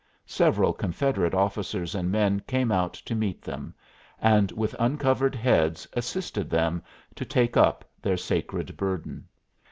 Several Confederate officers and men came out to meet them, and with uncovered heads assisted them to take up their sacred burden.